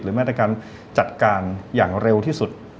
หรือแม้แต่การจัดการอย่างเร็วที่สุด